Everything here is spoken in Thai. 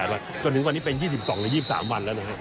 ๑๐๑๘วันจนถึงวันนี้เป็น๒๒๒๓วันแล้วนะครับ